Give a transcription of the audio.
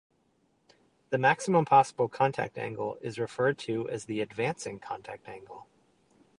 The maximum possible contact angle is referred to as the advancing contact angle.